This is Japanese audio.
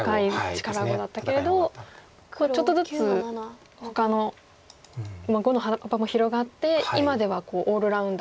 力碁だったけれどちょっとずつほかの碁の幅も広がって今ではオールラウンダーで。